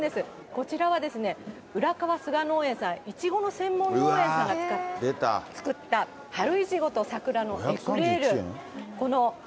こちらはですね、うらかわ菅農園さん、いちごの専門農園さんが作った、春いちごと桜のエクレール。